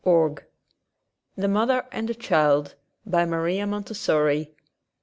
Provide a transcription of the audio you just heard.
THE MOTHER AND tHE CHILD Maria Montessori, M.